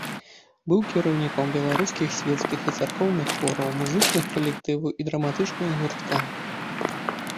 Быў кіраўніком беларускіх свецкіх і царкоўных хораў, музычных калектываў і драматычнага гуртка.